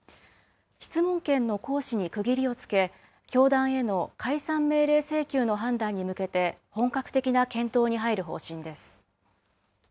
質問権の行使に区切りをつけ、教団への解散命令請求の判断に向けて本格的な検討に入る方針です。